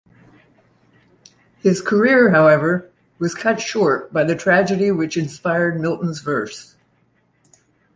His career, however, was cut short by the tragedy which inspired Milton's verse.